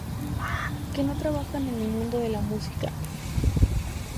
que no trabajan en el mundo de la música